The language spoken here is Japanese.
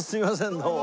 どうも。